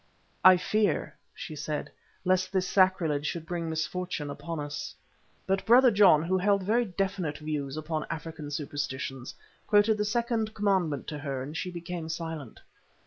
"I fear," she said, "lest this sacrilege should bring misfortune upon us." But Brother John, who held very definite views upon African superstitions, quoted the second commandment to her, and she became silent.